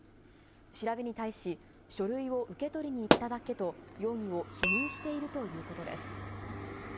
調べに対し、書類を受け取りに行っただけと、容疑を否認しているということです。